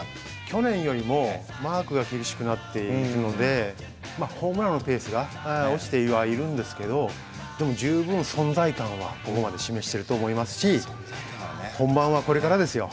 去年よりもマークが厳しくなっているのでホームランのペースが落ちてはいるんですけどでも十分存在感はここまで示してると思いますし本番はこれからですよ。